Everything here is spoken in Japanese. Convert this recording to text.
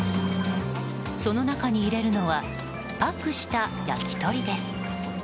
その中に入れるのはパックした焼き鳥です。